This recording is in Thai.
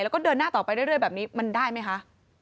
แล้วก็เดินหน้าต่อไปเรื่อยแบบนี้มันได้ไหมคะ